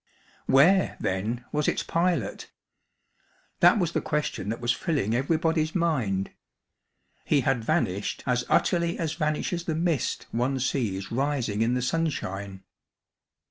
Where, then, was its pilot? That was the question that was filling everybody's mind. He had vanished as utterly as vanishes the mist one sees rising in the sunshine.